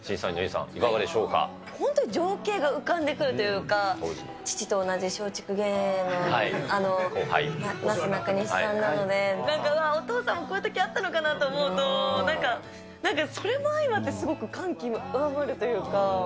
本当に情景が浮かんでくるというか、父と同じ松竹芸能のなすなかにしさんなので、なんか、うわー、お父さんもこういうとき、あったのかなと思うと、なんか、それも相まってすごく感極まるというか。